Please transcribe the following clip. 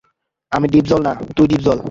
আমি ডিপজল না, তুই ডিপজল।